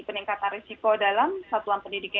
peningkatan risiko dalam satuan pendidikan